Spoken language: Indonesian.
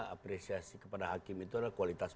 apresiasi kepada hakim itu adalah kualitas